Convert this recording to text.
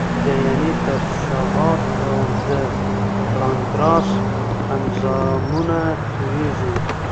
د ینې ترشحات او د پانکراس انزایمونه تویېږي.